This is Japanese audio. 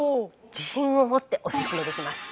自信を持ってオススメできます。